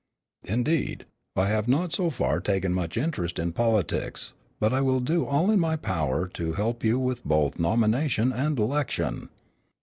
"Indeed. I have not so far taken much interest in politics, but I will do all in my power to help you with both nomination and election."